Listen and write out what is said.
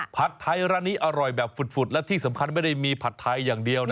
ผัดไทยร้านนี้อร่อยแบบฝุดและที่สำคัญไม่ได้มีผัดไทยอย่างเดียวนะ